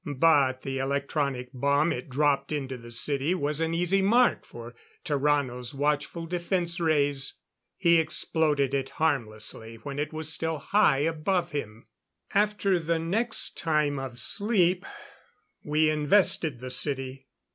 But the electronic bomb it dropped into the city was an easy mark for Tarrano's watchful defense rays. He exploded it harmlessly when it was still high above him. After the next time of sleep we invested the city.